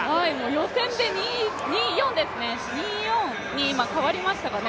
予選で２４に今変わりましたかね。